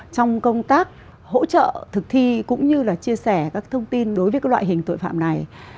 trong công tác hỗ trợ thực thi cũng như là chia sẻ các thông tin đối với loại hình tội phạm này